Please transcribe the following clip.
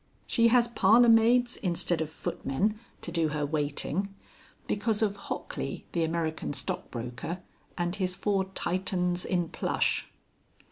She has parlour maids instead of footmen to do her waiting, because of Hockley, the American stockbroker, and his four Titans in plush.